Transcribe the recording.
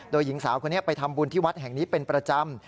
โดยหญิงสาวคนนี้ไปทำบุญที่วัดแห่งนี้เป็นประจำ